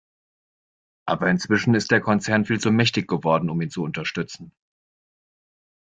Aber inzwischen ist der Konzern viel zu mächtig geworden, um ihn zu unterstützen.